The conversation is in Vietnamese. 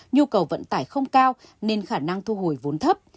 nhu cầu vận tải không cao nên khả năng thu hồi vốn thấp